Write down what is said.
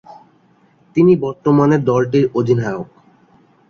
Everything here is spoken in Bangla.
তিনি বর্তমানে দলটির অধিনায়ক।